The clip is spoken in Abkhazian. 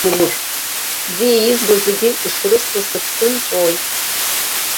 Бзиа избо зегьы ишрысҭо сыԥсы нҵәоит.